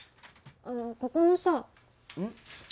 あのここのさうん？